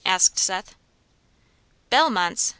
asked Seth. "Bellmonts?"